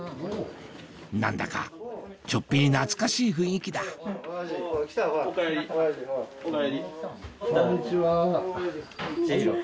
何だかちょっぴり懐かしい雰囲気だお来たのか。